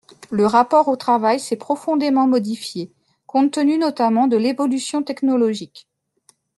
Le rapport au travail s’est profondément modifié, compte tenu notamment de l’évolution technologique.